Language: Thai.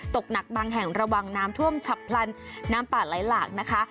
ตกหนักบางแห่งระวังน้ำท่วมฉับพลันน้ำป่าไหลหลากนะคะ